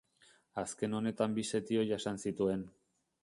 Azken honetan bi setio jasan zituen.